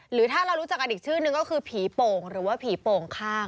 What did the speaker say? หรือถ้าเรารู้จักกันอีกชื่อนึงก็คือผีโป่งหรือว่าผีโป่งข้าง